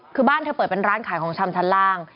คือบ้านเธอเปิดเป็นร้านขายของชำชั้นล่าง